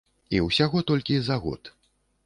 І ўсяго толькі за год.